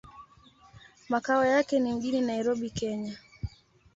Makao yake ni mjini Nairobi, Kenya.